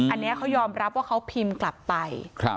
อันนี้เขายอมรับว่าเขาพิมพ์กลับไป